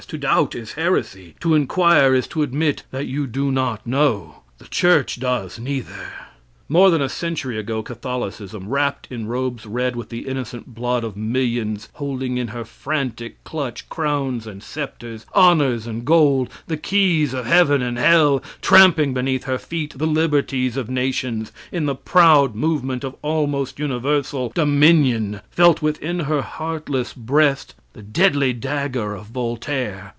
To doubt is heresy to inquire is to admit that you do not know the church does neither. More than a century ago Catholicism, wrapped in robes red with the innocent blood of millions, holding in her frantic clutch crowns and scepters, honors and gold, the keys of heaven and hell, tramping beneath her feet the liberties of nations, in the proud movement of almost universal dominion, felt within her heartless breast the deadly dagger of Voltaire.